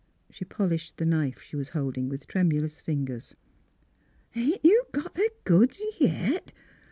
She polished the knife she was holding with tremulous fingers. " Ain't you got the goods yit?